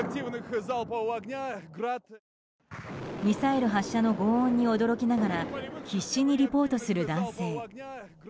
ミサイル発射の轟音に驚きながら必死にリポートする男性。